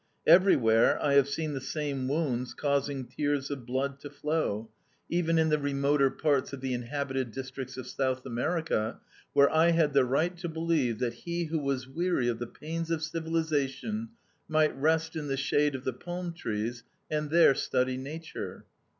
Everywhere I have seen the same wounds causing tears of blood to flow, even in the remoter parts of the inhabited districts of South America, where I had the right to believe that he who was weary of the pains of civilization might rest in the shade of the palm trees and there study nature.